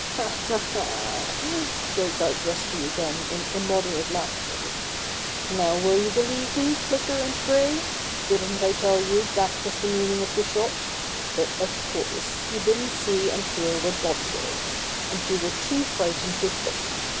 "Ha! Ha! Ha!" broke out Rusty again in immoderate laughter. "Now will you believe me, Flicker and Gray? Didn't I tell you that was the meaning of the shot? But, of course, you didn't see and hear what Bobby did, and you were too frightened to think.